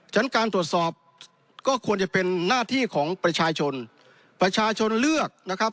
ฉะนั้นการตรวจสอบก็ควรจะเป็นหน้าที่ของประชาชนประชาชนเลือกนะครับ